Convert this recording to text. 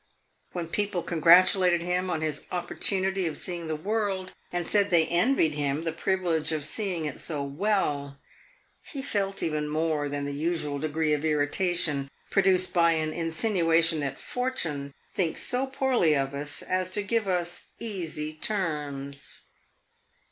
When people congratulated him on his opportunity of seeing the world, and said they envied him the privilege of seeing it so well, he felt even more than the usual degree of irritation produced by an insinuation that fortune thinks so poorly of us as to give us easy terms.